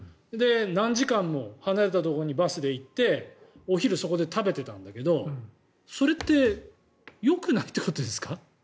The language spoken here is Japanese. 何時間も離れたところにバスで行ってお昼、そこで食べてたんだけどそれってよくないってことですか？